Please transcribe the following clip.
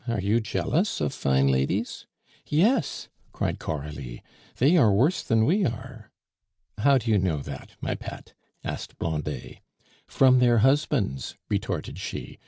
Are you jealous of fine ladies?" "Yes," cried Coralie. "They are worse than we are." "How do you know that, my pet?" asked Blondet. "From their husbands," retorted she.